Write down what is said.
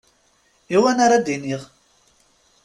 I wana ara d-iniɣ?